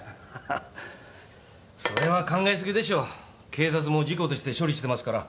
警察も事故として処理してますから。